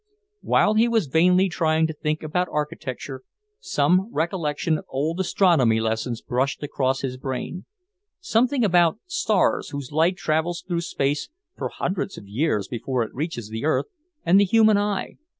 While he was vainly trying to think about architecture, some recollection of old astronomy lessons brushed across his brain, something about stars whose light travels through space for hundreds of years before it reaches the earth and the human eye.